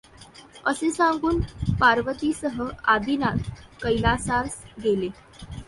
असे सांगून पार्वतीसह आदिनाथ कैलासास गेले.